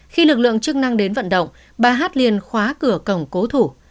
khi lực lượng chức năng đến vận động bà hát liền khóa cửa cổng cố thủ